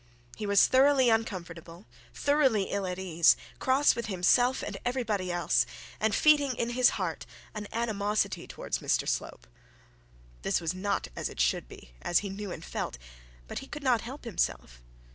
He was thoroughly uncomfortable, thoroughly ill at ease, cross with himself and every body else, and feeding in his heart on animosity towards Mr Slope. This was not as it should be, as he knew and felt; but he could not help himself.